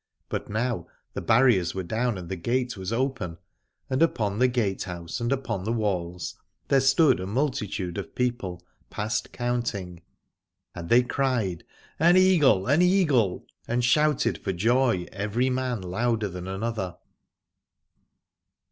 But now the barriers were down and the gate was open, and upon the gatehouse and upon the walls there stood a multitude of people past count ing, and they cried : An Eagle ! an Eagle ! and shouted for joy every man louder than another.